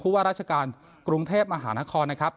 วิธีน้ำสวินขวัญเมืองเพราะว่าราชการกรุงเทพย์มหานคร